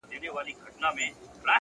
راته سور اور جوړ كړي تنور جوړ كړي-